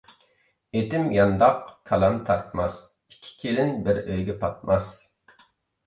ئېتىم يانداق، كالام تارتماس، ئىككى كېلىن بىر ئۆيگە پاتماس.